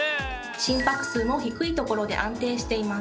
心拍数も低いところで安定しています。